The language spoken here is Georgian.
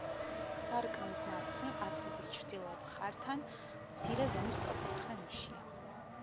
სარკმლის მარცხნივ, აბსიდის ჩრდილოეთ მხართან, მცირე ზომის სწორკუთხა ნიშია.